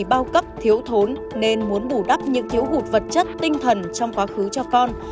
bao cấp thiếu thốn nên muốn bù đắp những thiếu hụt vật chất tinh thần trong quá khứ cho con